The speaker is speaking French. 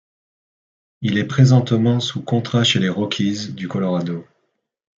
Il est présentement sous contrat chez les Rockies du Colorado.